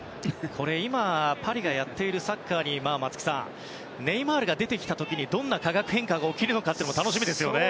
今、パリがやっているサッカーに、松木さんネイマールが出てきた時にどんな化学変化が起きるのかも楽しみですよね。